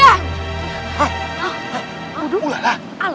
sungguh sungguh makan bolu